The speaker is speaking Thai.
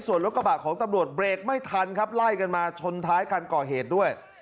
ส่วนรถกระบะของตำรวจเบรกไม่ทันครับไล่กันมาชนท้ายคันก่อเหตุด้วย